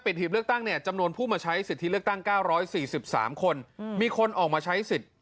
คนเดียวน่ะขออนุญาตจะลงคะแนนเขาจะมาใช้สิทธิ์ขออนุญาตจะมาใช้สิทธิ์